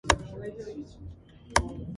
This creates additional design potential.